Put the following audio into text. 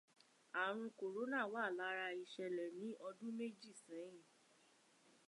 Àrùn kòrónà wà lára ìṣẹ̀lẹ̀ ní ọdún méjì sẹ́yìn.